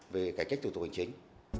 về cải cách thủ tục hành chính